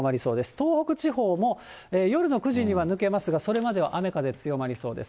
東北地方も夜の９時には抜けますが、それまでは雨風強まりそうです。